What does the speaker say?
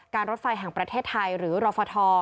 รถไฟแห่งประเทศไทยหรือรฟท